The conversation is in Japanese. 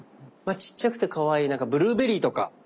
ちっちゃくてかわいいブルーベリーとか。